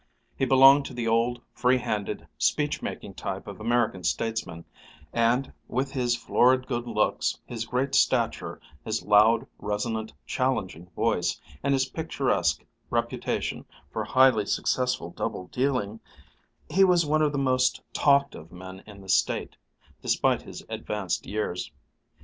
He belonged to the old, free handed, speech making type of American statesmen, and, with his florid good looks, his great stature, his loud, resonant, challenging voice, and his picturesque reputation for highly successful double dealing, he was one of the most talked of men in the State, despite his advanced years.